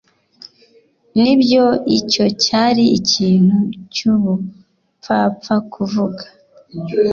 Nibyo icyo cyari ikintu cyubupfapfa kuvuga